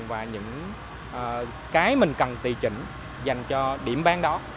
và những cái mình cần tùy chỉnh dành cho điểm bán đó